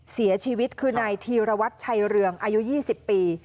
เสียชีวิตคือนายธีรวัตรชัยเรืองอายุ๒๐ปี